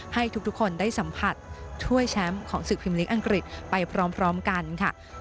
ให้ทุกคนได้สัมผัสถ้วยแชมป์ของศึกพิมพลิกอังกฤษไปพร้อมกันค่ะ